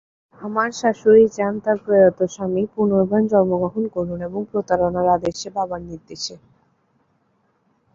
আমার শাশুড়ি চান তার প্রয়াত স্বামী পুনর্বার জন্মগ্রহণ করুন এবং প্রতারণার আদেশে বাবার নির্দেশে।